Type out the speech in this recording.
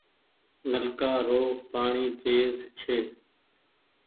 نلڪآ رو پآڻيٚ تيز ڇي ۔